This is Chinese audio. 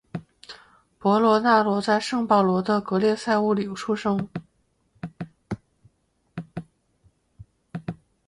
博索纳罗在圣保罗州的格利塞里乌出生。